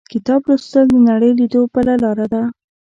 • کتاب لوستل، د نړۍ لیدو بله لاره ده.